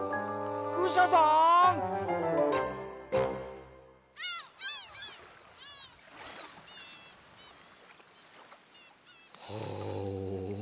クシャさん！はああ。